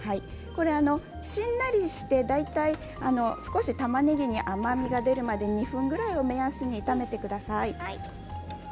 しんなりして大体少したまねぎに甘みが出るまで２分ぐらいを目安に炒めてください。